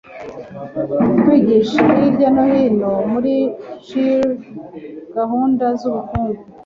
Kwigisha hirya no hino muri Chili gahunda zubukungu